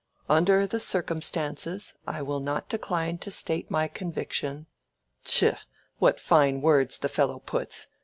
"Under the circumstances I will not decline to state my conviction—tchah! what fine words the fellow puts!